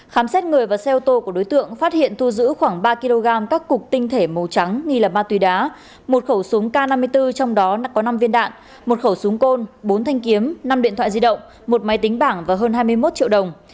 khám xét người và xe ô tô của đối tượng phát hiện thu giữ khoảng ba kg các cục tinh thể màu trắng nghi là ma túy đá một khẩu súng k năm mươi bốn trong đó có năm viên đạn một khẩu súng côn bốn thanh kiếm năm điện thoại di động một máy tính bảng và hơn hai mươi một triệu đồng